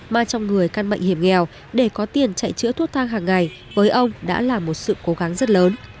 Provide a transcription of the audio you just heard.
mà trong người căn bệnh hiểm nghèo để có tiền chạy chữa thuốc thang hàng ngày với ông đã là một sự cố gắng rất lớn